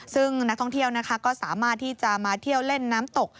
ซึ่งนักท่องเที่ยวนะคะก็สามารถที่จะมาเที่ยวเล่นน้ำตก